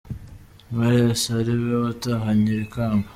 Marais ari we watahanye iri kamba.